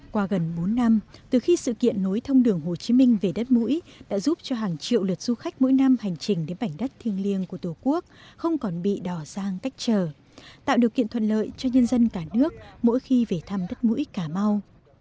qua gần bốn năm từ khi sự kiện nối thông đường hồ chí minh về đất mũi đã giúp cho hàng triệu lượt du khách mỗi năm hành trình đến bảnh đất thiêng liêng của tổ quốc không còn bị đỏ giang cách trở tạo điều kiện thuận lợi cho nhân dân cả nước mỗi khi về thăm đất mũi cà mau